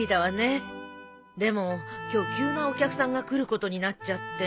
でも今日急なお客さんが来ることになっちゃって。